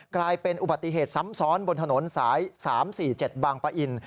กลายเป็นอุบัติเหตุซ้ำซ้อนบนถนนสาย๓๔๗บางปะอิน